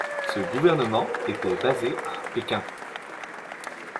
Ce gouvernement était basé à Pékin.